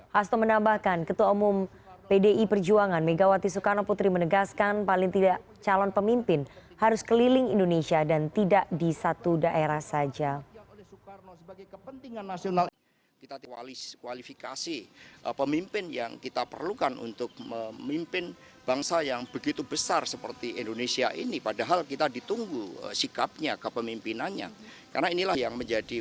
hasto menambahkan ketua umum pdi perjuangan megawati soekarno putri menegaskan paling tidak calon pemimpin harus keliling indonesia dan tidak di satu daerah saja